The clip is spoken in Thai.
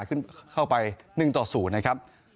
ขึ้นเข้าไปหนึ่งต่อศูนย์นะครับ